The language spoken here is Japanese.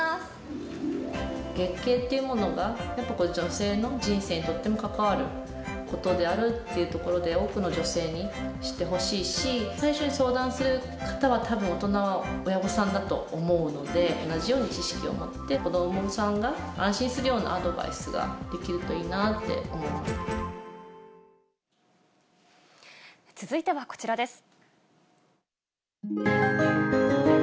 月経というものが、やっぱ女性の人生にとっても関わることであるというところで、多くの女性に知ってほしいし、最初に相談する方は、たぶん大人は親御さんだと思うので、同じように知識を持って、子どもさんが安心するようなアドバイスができるといいなって思い続いてはこちらです。